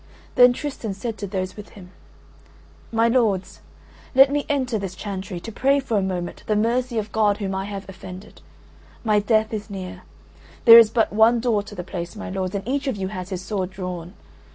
Then Tristan said to those with him: "My lords, let me enter this chantry, to pray for a moment the mercy of God whom I have offended; my death is near. There is but one door to the place, my lords, and each of you has his sword drawn.